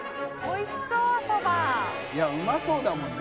いうまそうだもんね。